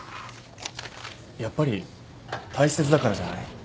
やっぱり大切だからじゃない？